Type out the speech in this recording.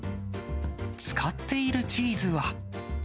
使っているチーズは。